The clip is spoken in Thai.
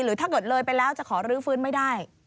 ถ้าเกิดเลยไปแล้วจะขอรื้อฟื้นไม่ได้